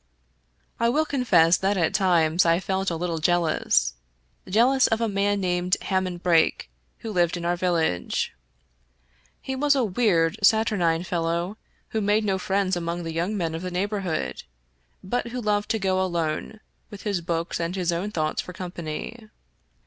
I will confess that at times I felt a little jealous — ^jealous of a man named Hammond Brake, who lived in our village. He was a weird, saturnine fellow, who made no friends among the young men of the neighborhood, but who loved to go alone, with his books and his own thoughts for com pany.